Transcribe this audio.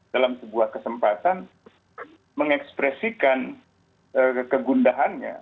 dalam sebuah kesempatan mengekspresikan kegundahannya